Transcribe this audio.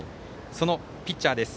そのピッチャーです。